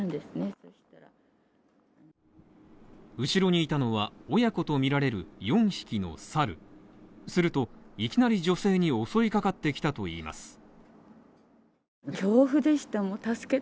後ろにいたのは、親子とみられる４匹のサルすると、いきなり女性に襲いかかってきたといいます。